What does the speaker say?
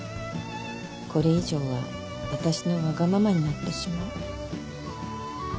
これ以上は私のわがままになってしまう。